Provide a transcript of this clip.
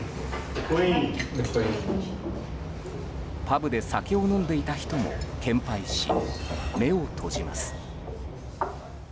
パブで酒を飲んでいた人も献杯し、目を閉じます。